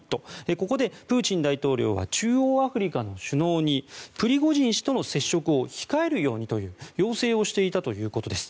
ここでプーチン大統領は中央アフリカの首脳にプリゴジン氏との接触を控えるようにという要請をしていたということです。